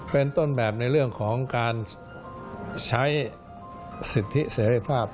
เป็นต้นแบบในเรื่องของการใช้สิทธิเสรีภาพ